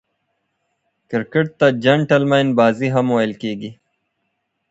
کرکټ ته "جېنټلمن بازي" هم ویل کیږي.